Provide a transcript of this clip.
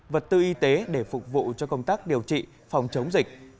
vật tư y tế để phục vụ cho công tác điều trị phòng chống dịch